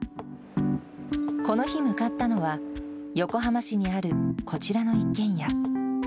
この日向かったのは、横浜市にあるこちらの一軒家。